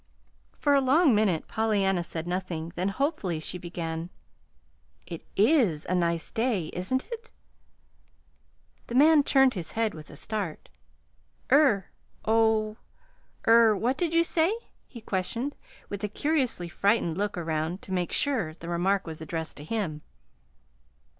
For a long minute Pollyanna said nothing; then hopefully she began: "It IS a nice day, isn't it?" The man turned his head with a start. "Eh? Oh er what did you say?" he questioned, with a curiously frightened look around to make sure the remark was addressed to him.